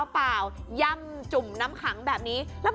เป็นชุดนางรามสวย